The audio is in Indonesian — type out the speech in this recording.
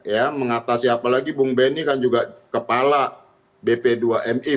ya mengatasi apalagi bung benny kan juga kepala bp dua mi